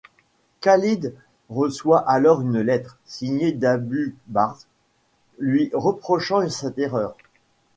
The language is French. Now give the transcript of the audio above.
Khâlid reçoit alors une lettre, signée d'Abû Bakr, lui reprochant cette erreur.